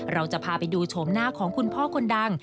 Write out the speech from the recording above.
เราจะพาไปดูโฉมหน้าของคุณพ่อคนดัง